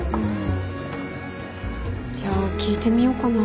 じゃあ聞いてみようかな。